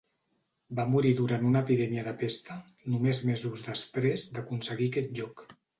Va morir durant una epidèmia de pesta només mesos després d'aconseguir aquest lloc.